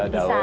tau botok ya